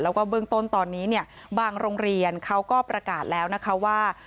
แล้วก็เบื้องต้นตอนนี้เนี่ยบางโรงเรียนเขาก็ประกาศแล้วนะคะว่า